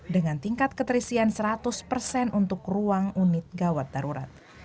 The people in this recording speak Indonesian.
dengan tingkat keterisian seratus persen untuk ruang unit gawat darurat